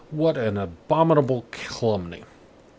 What an abominable calumny!